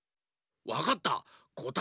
わかった。